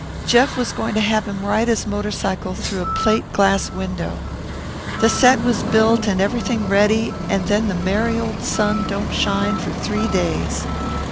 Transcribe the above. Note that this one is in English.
Jeff was going to have him ride his motorcycle through a plate glass window. The set was built and everything ready and then the merry old sun don't shine for three days.